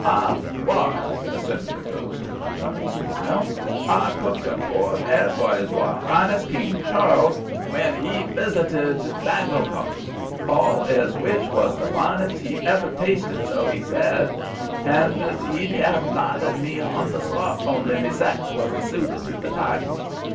"H'I was," assented the ghost, with a proud smile. "H'I cooked a boar's 'ead for 'is Royal 'Ighness King Charles when 'e visited Baingletop 'All as which was the finest 'e hever taisted, so 'e said, hand 'e'd 'ave knighted me hon the spot honly me sex wasn't suited to the title.